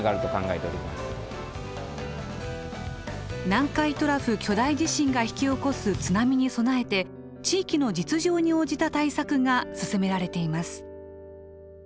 南海トラフ巨大地震が引き起こす津波に備えて地域の実情に応じた対策が進められています。